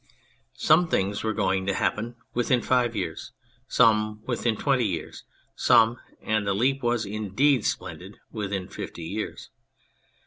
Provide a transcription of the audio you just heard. Some things were going to happen "within five years/' some " within twenty years/' some and the leap was indeed splendid " within fifty years."